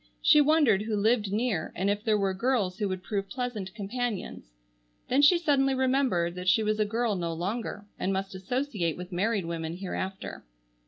She wondered who lived near, and if there were girls who would prove pleasant companions. Then she suddenly remembered that she was a girl no longer and must associate with married women hereafter.